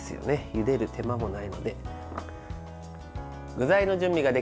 ゆでる手間もないので。